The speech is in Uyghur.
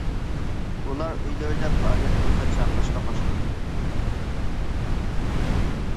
ئۇلار ئۆيلىرىدە پائالىيەت بولسا چاقىرىشقا باشلىدى.